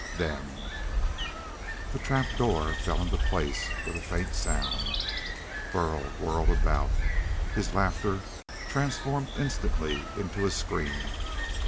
Then The trap door fell into place with a faint sound. Burl whirled about, his laughter transformed instantly into a scream.